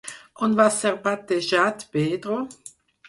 On va ser batejat Pedro?